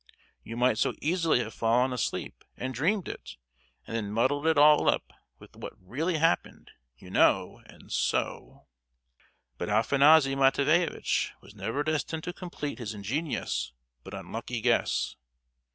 You might so easily have fallen asleep and dreamed it, and then muddled it all up with what really happened, you know, and so——" But Afanassy Matveyevitch was never destined to complete his ingenious, but unlucky guess.